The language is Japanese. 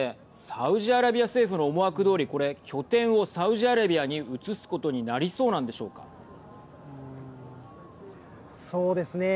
サウジアラビア政府の思惑どおりこれ拠点をサウジアラビアに移すことにそうですね。